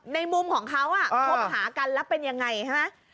ในมุมของเขาคบหากันแล้วเป็นยังไงใช่ไหม